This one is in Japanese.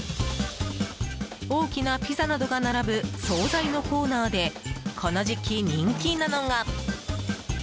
大きなピザなどが並ぶ総菜のコーナーでこの時期、人気なのが。